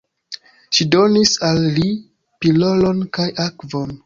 Ŝi donis al li pilolon kaj akvon.